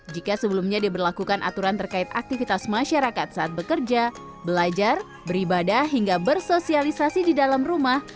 jika sebelumnya diberlakukan aturan terkait aktivitas masyarakat saat bekerja belajar beribadah hingga bersosialisasi di dalam rumah